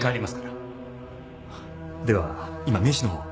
では今名刺の方を。